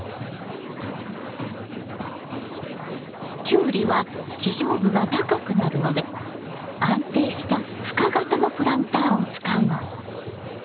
キュウリは地上部が高くなるので安定した深型のプランターを使うの。